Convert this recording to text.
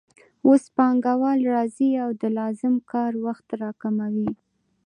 اوس پانګوال راځي او د لازم کار وخت راکموي